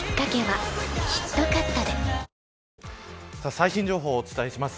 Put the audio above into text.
最新情報をお伝えします。